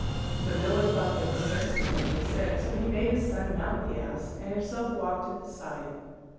The Miller thought there was sense in what they said; so he made his Son mount the Ass, and himself walked at the side.